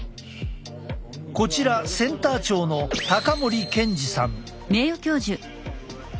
こちらセンター長の森建二さん。